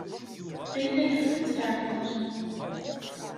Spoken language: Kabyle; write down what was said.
Layla yeffeɣ-itt leɛqel.